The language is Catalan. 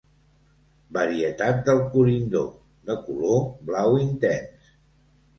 Varietat del corindó, de color blau intens.